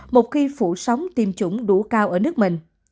một khi phủ sóng tiêm chủng đủ cao ở nước mình